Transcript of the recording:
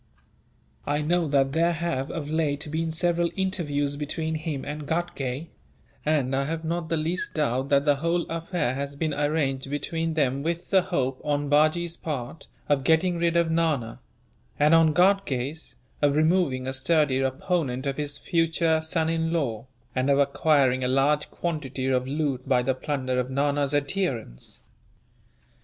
I know that there have, of late, been several interviews between him and Ghatgay; and I have not the least doubt that the whole affair has been arranged between them with the hope, on Bajee's part, of getting rid of Nana; and on Ghatgay's, of removing a sturdy opponent of his future son in law, and of acquiring a large quantity of loot by the plunder of Nana's adherents.